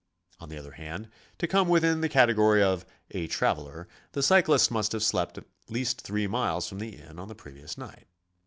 On the other hand, to come within the category of "a traveler," the cyclist mUvrt have slept at least three miles from the inn on the previous night.